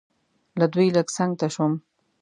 له دوی لږ څنګ ته شوم.